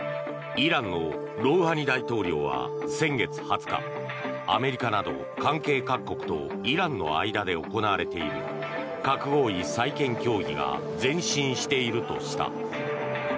イランのロウハニ大統領は先月２０日アメリカなど関係各国とイランの間で行われている核合意再建協議が前進しているとした。